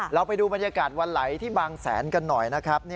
เราไปดูบรรยากาศวันไหลที่บางแสนกันหน่อยนะครับ